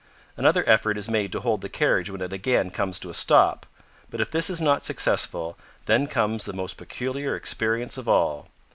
Another effort is made to hold the carriage when it again comes to a stop; but if this is not successful, then comes the most peculiar experience of all.